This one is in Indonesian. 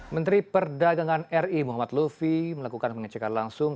menteri perdagangan ri muhammad lufi melakukan pengecekan langsung